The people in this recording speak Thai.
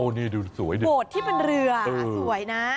โอ้นี่ดูสวยดิโบดที่เป็นเรือสวยนะ